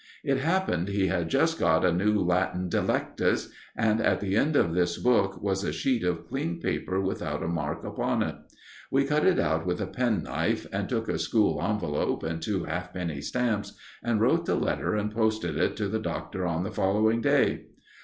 It happened he had just got a new Latin Delectus, and at the end of this book was a sheet of clean paper without a mark upon it. We cut it out with a penknife, and took a school envelope and two halfpenny stamps, and wrote the letter and posted it to the Doctor on the following day.